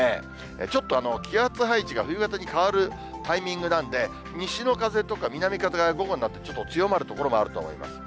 ちょっと気圧配置が冬型に変わるタイミングなんで、西の風とか南風が午後になって、ちょっと強まる所もあると思います。